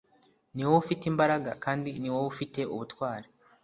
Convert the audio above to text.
niwowe ufite imbaraga, kandi ni wowe ufite ubutwari